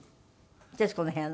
『徹子の部屋』の？